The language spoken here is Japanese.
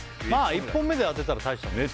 １本目で当てたら大したもんです